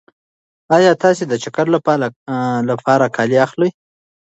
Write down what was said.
ایا تاسې د چکر لپاره کالي اخلئ؟